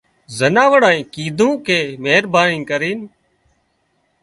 زناوڙانئي ڪيڌون ڪي مهرباني ڪرينَ